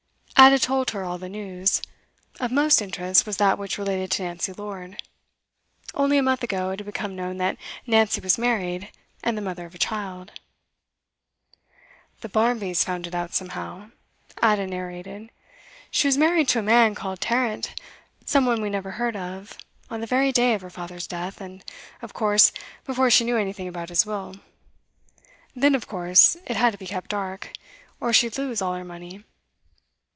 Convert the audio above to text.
Ada told her all the news. Of most interest was that which related to Nancy Lord. Only a month ago it had become known that Nancy was married, and the mother of a child. 'The Barmbys found it out somehow,' Ada narrated. 'She was married to a man called Tarrant, some one we never heard of, on the very day of her father's death, and, of course, before she knew anything about his will. Then, of course, it had to be kept dark, or she'd lose all her money.